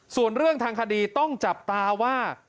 ส่วนเรื่องทางคดีต้องจับตาว่า